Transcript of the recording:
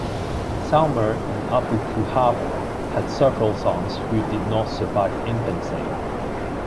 Salma and Abu Quhafa had several sons who did not survive infancy.